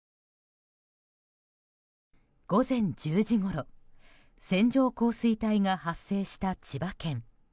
午前１０時ごろ線状降水帯が発生した千葉県。